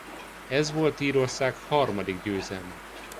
Ez volt Írország harmadik győzelme.